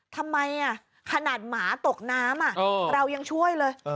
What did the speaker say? ทำไมขนาดหมาตกน้ำเรายังช่วยเลย